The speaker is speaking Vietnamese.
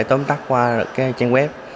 tóm tắt qua được cái trang web